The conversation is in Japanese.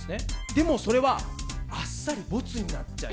でもそれはあっさりボツになっちゃいました。